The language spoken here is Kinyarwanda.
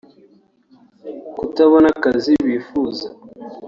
Kutabona akazi bifuza